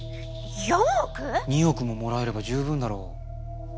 ２億ももらえれば十分だろう